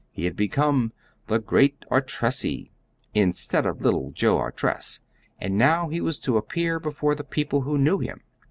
He had become the "Great Artressi" instead of little Joe Artress, and now he was to appear before the people who knew him.